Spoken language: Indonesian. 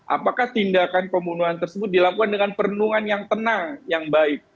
apakah tindakan pembunuhan tersebut dilakukan dengan perenungan yang tenang yang baik